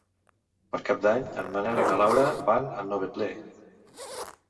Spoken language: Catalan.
Per Cap d'Any en Manel i na Laura van a Novetlè.